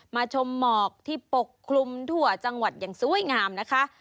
ชมหมอกที่ปกคลุมทั่วจังหวัดอย่างสวยงามนะคะ